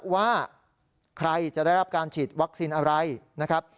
ว่าใครจะได้รับการฉีดวัคซีนอะไรนะครับ